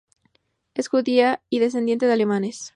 Es judía y descendiente de alemanes.